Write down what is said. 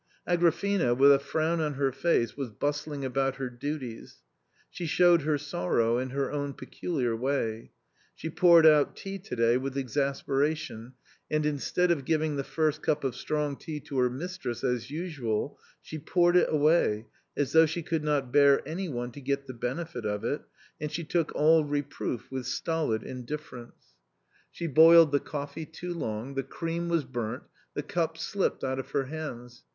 Agrafena, with a frown on her face, was bustling about her duties. She showed her sorrow in her own peculiar way. She poured out tea to day with exasperation, and instead of giving the first cup of strong tea to her mistress as usual, she poured it away, as though she could not bear any one to get the benefit of it, and she took all reproof with stolid indifference* A COMMON STORY 3 She boiled the coffee too long, the cream was burnt, the cups slipped out of her hands.